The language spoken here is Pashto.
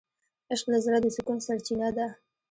عشق د زړه د سکون سرچینه ده.